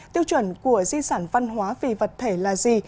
tiêu chuẩn của di sản văn hóa vì vật thể là gì